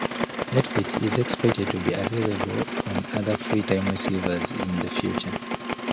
Netflix is expected to be available on other Freetime receivers in the future.